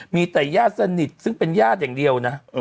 มีแต่ญาติสนิทซึ่งเป็นญาติอย่างเดียวนะ